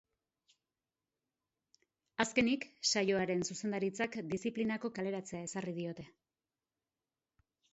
Azkenik, saioaren zuzendaritzak diziplinako kaleratzea ezarri diote.